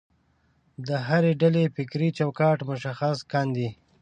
د هرې ډلې فکري چوکاټ مشخص کاندي.